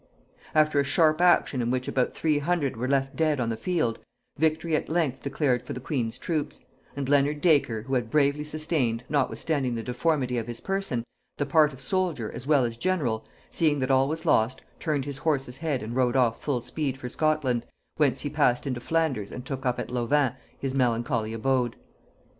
After a sharp action in which about three hundred were left dead on the field, victory at length declared for the queen's troops; and Leonard Dacre, who had bravely sustained, notwithstanding the deformity of his person, the part of soldier as well as general, seeing that all was lost, turned his horse's head and rode off full speed for Scotland, whence he passed into Flanders and took up at Lovain his melancholy abode.